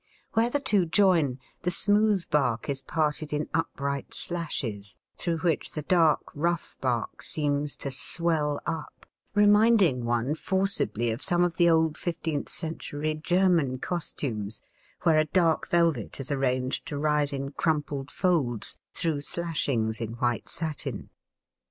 Where the two join, the smooth bark is parted in upright slashes, through which the dark, rough bark seems to swell up, reminding one forcibly of some of the old fifteenth century German costumes, where a dark velvet is arranged to rise in crumpled folds through slashings in white satin.